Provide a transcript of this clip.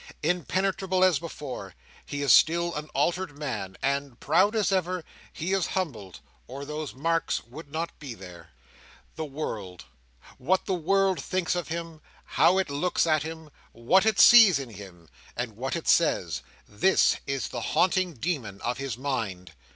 Impenetrable as before, he is still an altered man; and, proud as ever, he is humbled, or those marks would not be there. The world. What the world thinks of him, how it looks at him, what it sees in him, and what it says—this is the haunting demon of his mind.